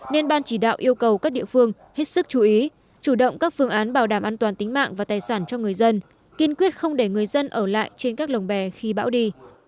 nên ban chỉ đạo yêu cầu các địa phương hết sức chú ý chủ động các phương án bảo đảm an toàn tính mạng và tài sản cho người dân kiên quyết không để người dân ở lại trên các lồng bè khi bão đi